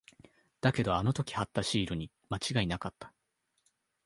だけど、あの時貼ったシールに間違いなかった。